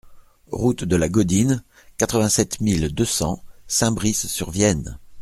Route de la Gaudine, quatre-vingt-sept mille deux cents Saint-Brice-sur-Vienne